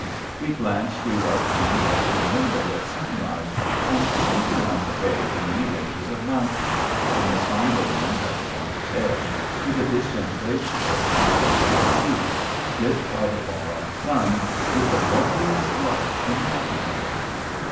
We glance through our tiny western window at sunrise and see beyond the bay the many ranges of mountains, from the somber ones at the water's edge to the distant glacier and snow capped peaks, lit by the far off sun with the loveliest light imaginable.